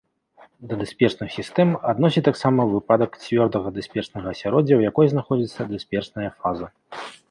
Да дысперсных сістэм адносяць таксама выпадак цвёрдага дысперснага асяроддзя, у якой знаходзіцца дысперсная фаза.